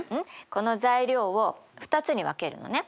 この材料を２つに分けるのね。